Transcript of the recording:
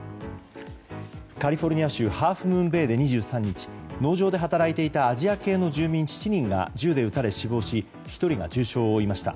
カリフォルニア州ハーフムーンベイで２３日農場で働いていたアジア系の住民７人が銃で撃たれ死亡し１人が重傷を負いました。